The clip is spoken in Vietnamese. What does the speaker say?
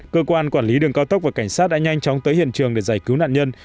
cơ quan quản lý đường cao tốc và cảnh sát đã nhanh chóng tới hiện trường để giải cứu nạn nhân